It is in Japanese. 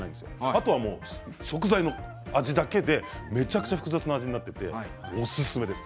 あとは食材の味だけでめちゃくちゃ複雑な味になっておすすめです。